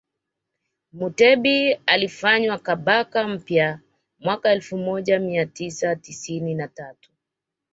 Mutebi alifanywa Kabaka mpya mwaka elfu moja mia tisa tisini na tatu